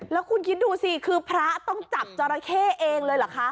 แล้วคุณคิดดูสิคือพระต้องจับจอราเข้เองเลยเหรอคะ